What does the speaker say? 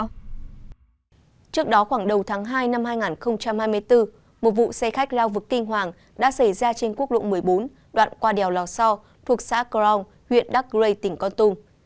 trước đó khoảng đầu tháng hai năm hai nghìn hai mươi bốn một vụ xe khách lao vực kinh hoàng đã xảy ra trên quốc lộ một mươi bốn đoạn qua đèo lò so thuộc xã crong huyện đắc rây tỉnh con tum